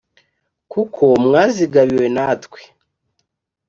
Kuko mwazigabiwe na twe!